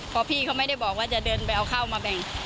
พอพี่เขาไม่ได้บอกว่าจะเดินไปเอาข้าวมาแบ่ง